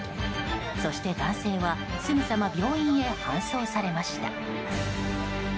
そして男性はすぐさま病院に搬送されました。